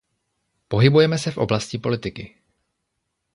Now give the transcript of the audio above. Pohybujeme se v oblasti politiky.